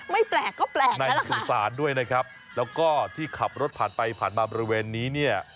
แปลกก็แปลกน่าสงสารด้วยนะครับแล้วก็ที่ขับรถผ่านไปผ่านมาบริเวณนี้เนี่ย